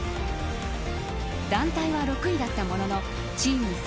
団体は６位だったもののチーム